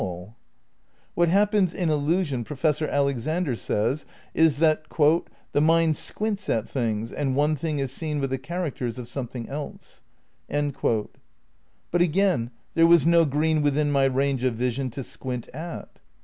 206 THE NEW IDEALISM v What happens in illusion Professor Alexander says is that "The mind squints at things and one thing is seen with the char acters of something else."' But, again, there was no green within my range of vision to squint at.